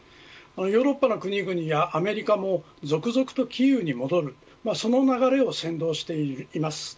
ヨーロッパの国々やアメリカも続々とキーウに戻るその流れを先導しています。